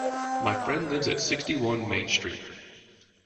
My friend lives at sixty-one Main Street